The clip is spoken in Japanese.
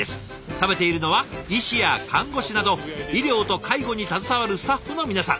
食べているのは医師や看護師など医療と介護に携わるスタッフの皆さん。